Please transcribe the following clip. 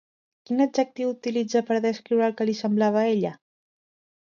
Quin adjectiu utilitza per descriure el que li semblava a ella?